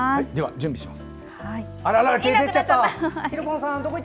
準備します。